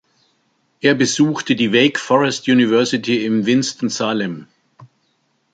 Er besuchte die Wake Forest University in Winston-Salem.